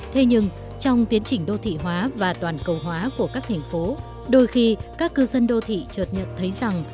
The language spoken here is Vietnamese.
thế nhưng trong tiến trình đô thị hóa và toàn cầu hóa của các thành phố đôi khi các cư dân đô thị trượt nhận thấy rằng